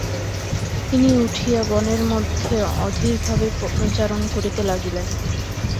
তিনি উঠিয় বনের মধ্যে অধীর ভাবে পদচারণ করিতে লাগিলেন।